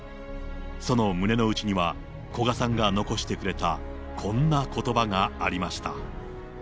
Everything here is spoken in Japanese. その胸の内には、古賀さんが残してくれたこんなことばがありました。